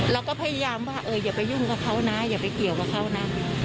เราก็พยายามว่าอย่าไปยุ่งกับเขานะอย่าไปเกี่ยวกับเขานะ